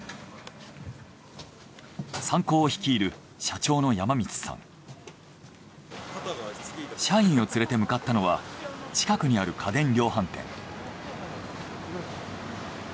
サンコーを率いる社員を連れて向かったのは近くにある家電量販店。